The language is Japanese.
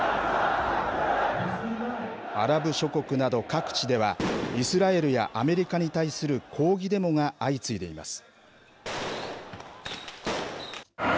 アラブ諸国など各地ではイスラエルやアメリカに対する抗議デモが相次いでいます。